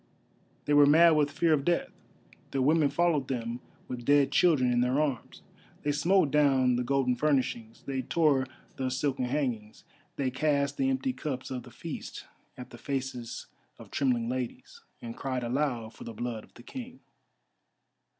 They were mad with fear of death; their women followed them with dead children in their arms. They smote down the golden furnishings, they tore the silken hangings, they cast the empty cups of the feast at the faces of trembling ladies, and cried aloud for the blood of the King.